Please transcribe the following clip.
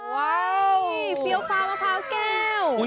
ว้าวฟีเอาฟามะพร้าวแก้ว